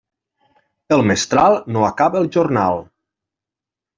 El mestral no acaba el jornal.